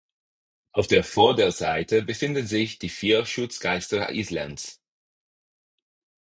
Auf der Vorderseite befinden sich die vier Schutzgeister Islands.